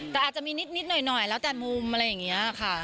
แต่อาจจะมีนิดหน่อยแล้วแต่มุมอะไรอย่างนี้ค่ะ